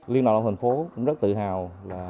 liên đạo đồng thành phố cũng rất tự hào